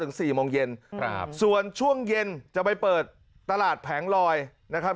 สี่โมงเย็นครับส่วนช่วงเย็นจะไปเปิดตลาดแผงลอยนะครับ